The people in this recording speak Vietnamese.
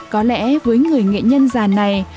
có lẽ với người nghệ nhân già này